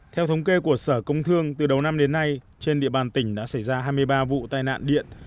theo thống kê của sở công thương từ đầu năm đến nay trên địa bàn tỉnh đã xảy ra hai mươi ba vụ tai nạn điện